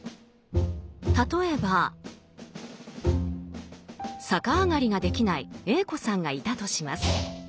例えば逆上がりができないＡ子さんがいたとします。